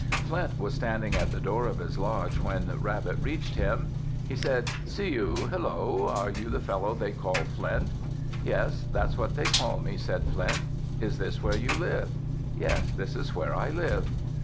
Flint was standing at the door of his lodge when Rabbit reached there. He said, "Siyu! Hello! Are you the fellow they call Flint?" "Yes; that's what they call me," said Flint. "Is this where you live?" "Yes; this is where I live."